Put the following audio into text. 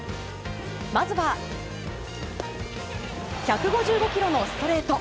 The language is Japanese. まずは、１５５キロのストレート。